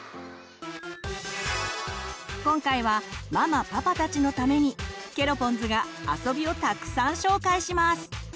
今回はママパパたちのためにケロポンズが遊びをたくさん紹介します！